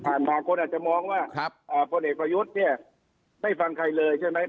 มาคนอาจจะมองว่าพลเอกประยุทธ์เนี่ยไม่ฟังใครเลยใช่ไหม